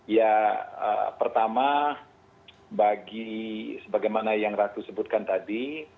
ya pertama bagi sebagaimana yang ratu sebutkan tadi